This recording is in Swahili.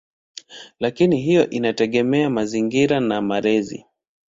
Lakini hiyo inategemea mazingira na malezi.